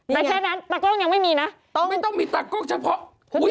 แต่แค่นั้นตากล้องยังไม่มีนะไม่ต้องมีตากล้องเฉพาะอุ้ย